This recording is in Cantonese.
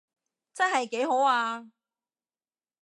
真係幾好啊